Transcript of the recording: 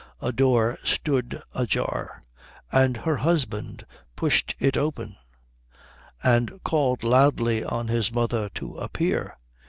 The door stood ajar, and her husband pushed it open and called loudly on his mother to appear.